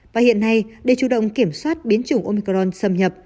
và hiện nay để chủ động kiểm soát biến chủng omicron xâm nhập